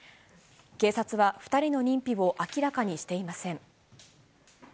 警察は、２人の認否を明らかにしていません。